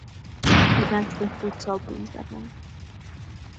به دست خود صابون زدن